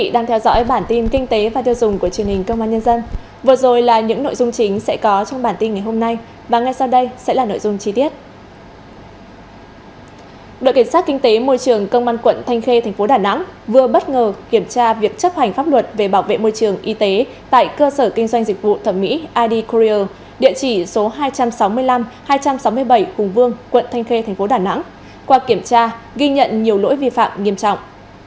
đội kiểm soát kinh tế môi trường công an quận thanh khê tp đà nẵng vừa bất ngờ kiểm tra việc chấp hành pháp luật về bảo vệ môi trường y tế tại cơ sở kinh doanh dịch vụ thẩm mỹ id courier địa chỉ số hai trăm sáu mươi năm hai trăm sáu mươi bảy hùng vương quận thanh khê tp đà nẵng qua kiểm tra ghi nhận nhiều lỗi vi phạm nghiêm trọng